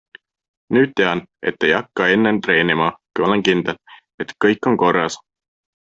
Nüüd tean, et ei hakka enne treenima, kui olen kindel, et kõik on korras.